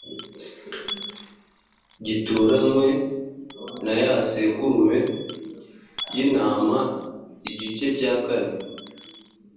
gituranwe na ya sekurume y intama igice cya kane